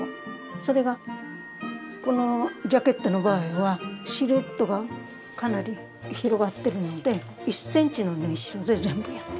それがこのジャケットの場合はシルエットがかなり広がってるので１センチの縫いしろで全部やってます。